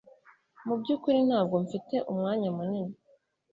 Mubyukuri ntabwo mfite umwanya munini